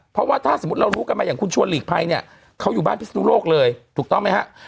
เพราะว่าถ้าสมมุติเรารู้กันมาอย่างคุณชวนหลีกภัยเนี่ยเขาอยู่บ้านพิศนุโลกเลยถูกต้องไหมฮะ